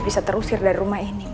bisa terusir dari rumah ini